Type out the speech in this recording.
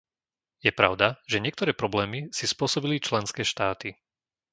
Je pravda, že niektoré problémy si spôsobili členské štáty.